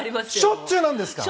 しょっちゅうなんですか？